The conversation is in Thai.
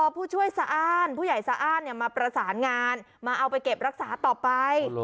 ผู้ช่วยสะอ้านผู้ใหญ่สะอ้านมาประสานงานมาเอาไปเก็บรักษาต่อไป